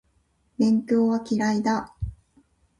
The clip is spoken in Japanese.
勉強は嫌いだ